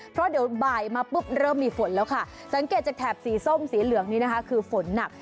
เพราะเดี๋ยวบ่ายมาปุ๊บเริ่มมีฝนแล้วค่ะสังเกตจากแถบสีส้มสีเหลืองนี้นะคะคือฝนหนัก